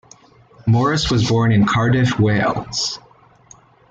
Morris was born in Cardiff, Wales.